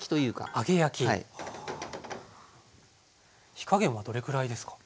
火加減はどれくらいですか？